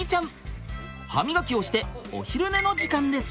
はみがきをしてお昼寝の時間です。